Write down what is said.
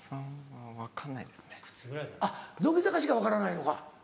・乃木坂しか分からないのか。